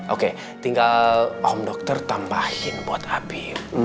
oke tinggal om dokter tambahin buat habib